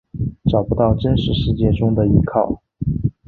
找不到真实世界中的依靠